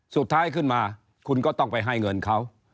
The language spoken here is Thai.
สุดท้ายขึ้นมาคุณก็ต้องไปให้เงินเขา